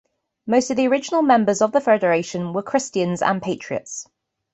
Most of the original members of the federation were Christians and patriots.